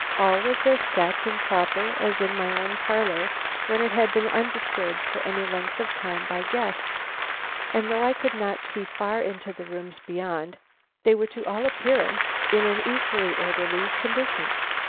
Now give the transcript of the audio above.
All was as set and proper as in my own parlor when it has been undisturbed for any length of time by guests; and though I could not see far into the rooms beyond, they were to all appearance in an equally orderly condition.